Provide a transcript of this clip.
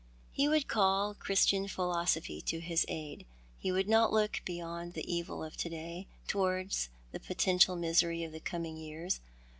He would call Christian philosophy to his aid. He would not look beyond the evil of to day, towards the potential misery of the coming years.